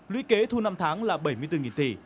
lý kế thu năm tháng là bảy mươi bốn nghìn tỷ